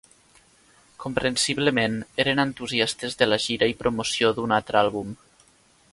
Comprensiblement, eren entusiastes de la gira i promoció d'un altre àlbum.